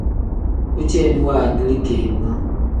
Bu ceeni wangilii keninga.